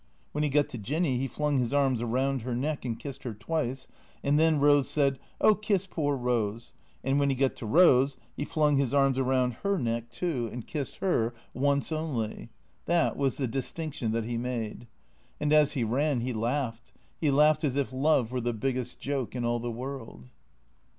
When he got to Jinny he flung liis arms around her neck and kissed her twice, and then Eose said, " Oh, kiss poor Eose "; and when he got to Eose he flung his arms around her neck, too. 368 THECEEATOHS and kissed her, once only. That was the distinction that he made. And as he ran he laughed, he laughed as if love were the biggest joke in all the world.